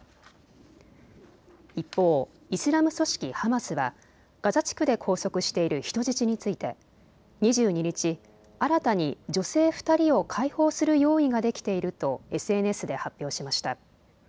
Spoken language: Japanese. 一方、イスラム組織ハマスはガザ地区で拘束している人質について２２日、新たに女性２人を解放する用意ができているとＳＮＳで発表しました。